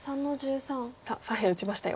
さあ左辺打ちましたよ。